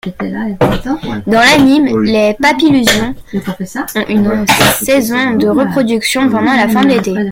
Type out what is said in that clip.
Dans l'anime, les Papilusions ont une saison de reproduction pendant la fin de l'été.